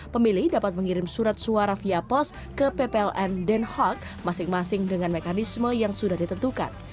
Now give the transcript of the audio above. pemilih dapat mengirim surat suara via pos ke ppln den haag masing masing dengan mekanisme yang sudah ditentukan